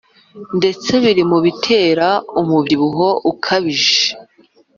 ndetse biri mu bitera umubyibuho ukabije!